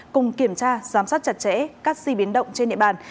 cùng kiểm tra giám sát chặt chẽ các di biến động trên địa bàn